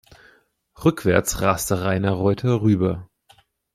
Rückwärts raste Rainer Reuter rüber.